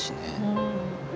うん。